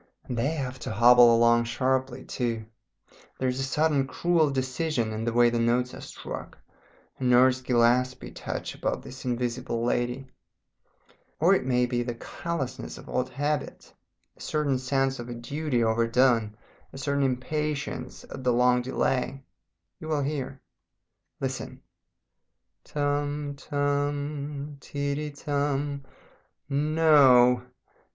And they have to hobble along sharply too; there is a certain cruel decision in the way the notes are struck, a Nurse Gillespie touch about this Invisible Lady. Or it may be the callousness of old habit, a certain sense of a duty overdone, a certain impatience at the long delay. You will hear. "Listen! Tum Tum Ti ti tum No!